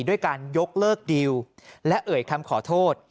ด้วยการยกเลิกดีลและเอ่ยคำขอโทษ